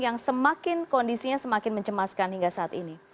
yang semakin kondisinya semakin mencemaskan hingga saat ini